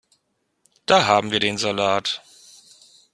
Da haben wir den Salat.